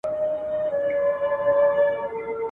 چي آباد وي پر نړۍ جاهل قومونه ..